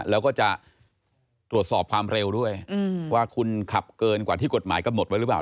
แล้วก็จะตรวจสอบความเร็วด้วยว่าคุณขับเกินกว่าที่กฎหมายกำหนดไว้หรือเปล่า